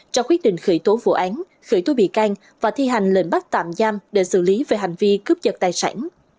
cho quyết định khởi tố vụ án khởi tố bị can và thi hành lệnh bắt tạm giam để xử lý về hành vi cướp giật tài sản